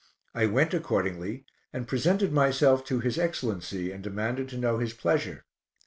I went accordingly and presented myself to his Excellency, and demanded to know his pleasure.